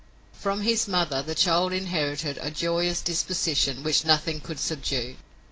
From his mother the child inherited a joyous disposition which nothing could subdue.